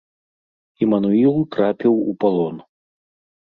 Імануіл трапіў у палон.